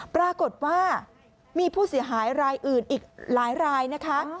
ปรากฏว่ามีผู้เสียหายรายอื่นอีกหลายรายนะคะ